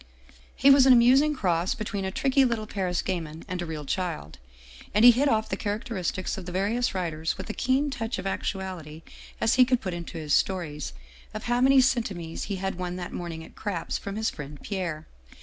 He was an amusing cross between a tricky little Paris gamin and a real child, and he hit off the characteristics of the various writers with as keen a touch of actuality as he could put into his stories of how many centimes he had won that morning at ' craps ' from his friend Pierre.